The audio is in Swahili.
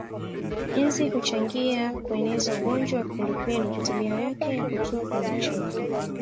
Nzi huchangia kueneza ugonjwa wa kipindupindu kwa tabia yake za kutua kwenye uchafu